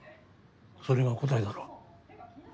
それが答えだろ。